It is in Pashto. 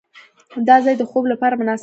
دا ځای د خوب لپاره مناسب دی.